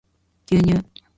牛乳